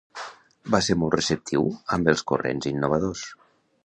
Va ser molt receptiu amb els corrents innovadors.